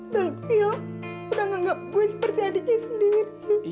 dan priya udah nganggap gue seperti adiknya sendiri